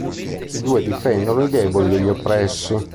I due difendono i deboli e gli oppressi.